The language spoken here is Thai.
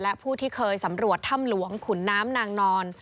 และผู้ที่เคยสำรวจถ้ำหลวงขุนน้ำนางนอน